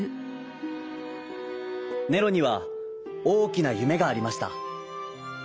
ネロにはおおきなゆめがありました。